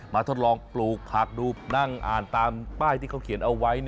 ทดลองปลูกผักดูนั่งอ่านตามป้ายที่เขาเขียนเอาไว้